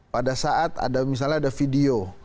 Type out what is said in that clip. pada saat ada misalnya ada video